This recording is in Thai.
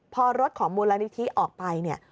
พอรถของมูลนิธิออกไป